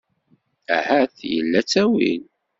Ahat yella ttawil.